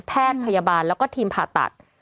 แพทย์พยาบาลแล้วก็ทีมผ่าตัด